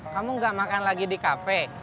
kamu gak makan lagi di kafe